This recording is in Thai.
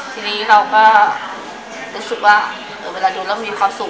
ทีนี้เราก็เต็มชุดว่าเวลาดูเราคิดพร้อมสุข